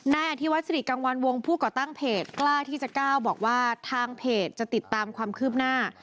นายอธิวัฒริกังวัลวงผู้ก่อตั้งเพจกล้าที่จะก้าวบอกว่าทางเพจจะติดตามความคืบหน้า